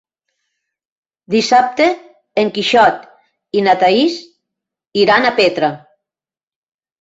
Dissabte en Quixot i na Thaís iran a Petra.